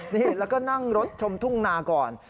นี่แล้วก็นั่งรถชมทุ่งนาก่อน